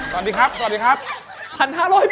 สวัสดีครับสวัสดีครับ